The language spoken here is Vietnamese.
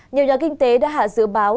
nhiều nhà kinh tế đã hạ dự báo